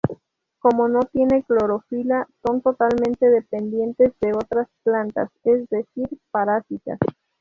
Como no tienen clorofila son totalmente dependientes de otras plantas, es decir, parásitas.